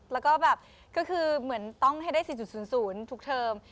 แล้วก็ก็คือมันต้องให้ได้๔จุด๐๐ทุกเติม